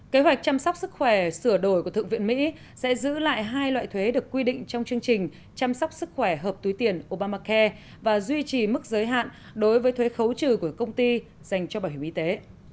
kế hoạch chăm sóc sức khỏe sửa đổi của thượng viện mỹ sẽ giữ lại hai loại thuế được quy định trong chương trình chăm sóc sức khỏe hợp túi tiền obamacare và duy trì mức giới hạn đối với thuế khấu trừ của công ty dành cho bảo hiểm y tế